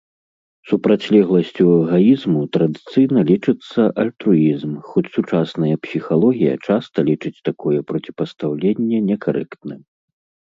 Супрацьлегласцю эгаізму традыцыйна лічыцца альтруізм, хоць сучасная псіхалогія часта лічыць такое проціпастаўленне некарэктным.